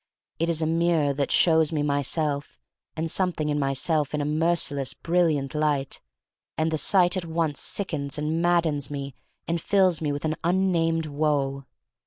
It is a mirror that shows me myself and something in my self in a merciless brilliant light, and the sight at once sickens and maddens me and fills me with an unnamed woe.